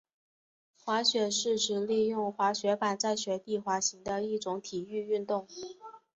滑雪是指利用滑雪板在雪地滑行的一种体育运动。